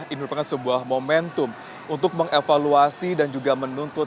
ini merupakan sebuah momentum untuk mengevaluasi dan juga menuntut